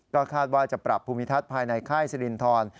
ก็คาดว่าจะปรับภูมิทัศน์ภายในค่ายสิรินทร